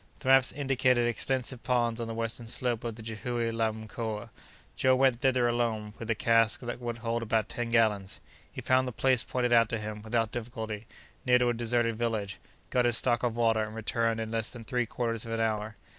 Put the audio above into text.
The maps indicated extensive ponds on the western slope of the Jihoue la Mkoa. Joe went thither alone with a cask that would hold about ten gallons. He found the place pointed out to him, without difficulty, near to a deserted village; got his stock of water, and returned in less than three quarters of an hour.